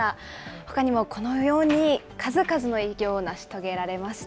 ほかにもこのように数々の偉業を成し遂げられました。